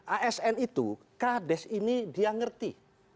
asn itu kades ini dia ngerti